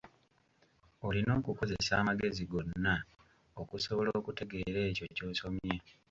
Olina okukozesa amagezi gonna okusobola okutegeera ekyo ky’osomye.